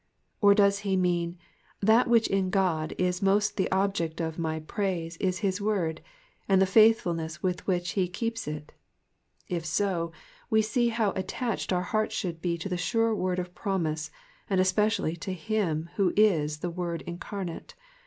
Or does he mean, ^^ that which in God is most the object of my praise is his word, and the faithfulness with which he keeps it ''? If so, we see how attached our hearts should be to the sure word of promise, and especially to him who is the Word incarnate.